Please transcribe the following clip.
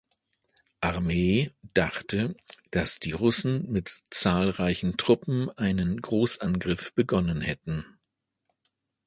Armee, dachte, dass die Russen mit zahlreichen Truppen einen Großangriff begonnen hätten.